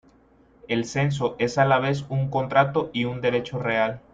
El censo es a la vez un contrato y un derecho real.